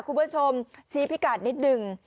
คุณผู้ชมชี้พิกัดนิดหนึ่ง